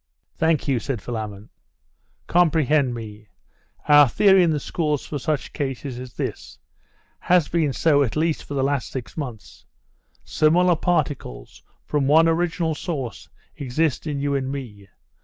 'Thank you,' said Philammon. 'Comprehend me. Our theory in the schools for such cases is this has been so at least for the last six months; similar particles, from one original source, exist in you and me.